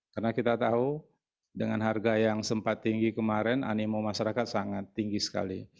karena kita tahu dengan harga yang sempat tinggi kemarin animo masyarakat sangat tinggi sekali